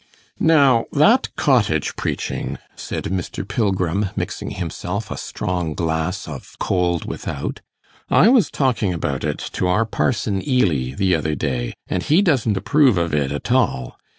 'Now, that cottage preaching,' said Mr. Pilgrim, mixing himself a strong glass of 'cold without,' 'I was talking about it to our Parson Ely the other day, and he doesn't approve of it at all.